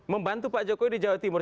membantu pak jokowi di jawa timur